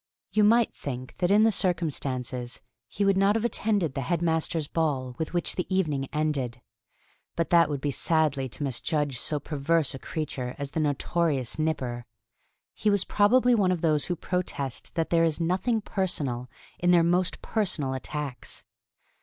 You might think that in the circumstances he would not have attended the head master's ball with which the evening ended; but that would be sadly to misjudge so perverse a creature as the notorious Nipper. He was probably one of those who protest that there is "nothing personal" in their most personal attacks.